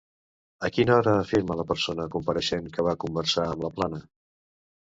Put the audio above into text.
A quina hora afirma la persona compareixent que va conversar amb Laplana?